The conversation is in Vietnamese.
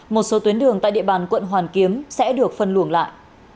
một số tuyến đường tại địa bàn quận hoàn kiếm sẽ được phân luồng lại